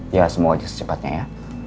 ya semuanya secepatnya ya